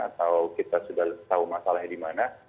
atau kita sudah tahu masalahnya di mana